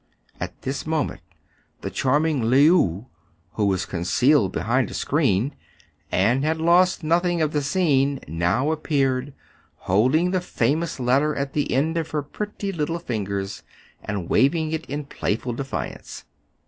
At this moment the charming Le ou, who was concealed behind a screen, and had lost nothing of the scene, now appeared, holding the famous letter at the end of her pretty little fingers, and waving it in playful defiance.